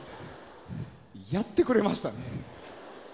やってくれましたね。